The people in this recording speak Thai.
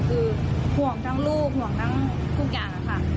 คือห่วงทั้งลูกห่วงทั้งทุกอย่างค่ะ